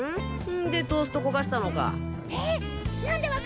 んでトースト焦がしたのか？